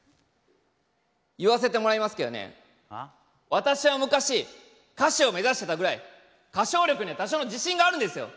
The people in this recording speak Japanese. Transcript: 言わせてもらいますけどね私は昔歌手を目指してたぐらい歌唱力には多少の自信があるんですよ！